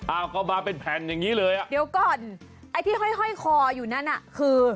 อ้าวก็มาเป็นแผ่นอย่างงี้เลยอ่ะเดี๋ยวก่อนไอ้ที่ห้อยคออยู่นั่นอ่ะคือ